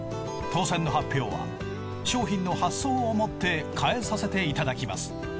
当選の発表は商品の発送を持ってかえさせていただきます。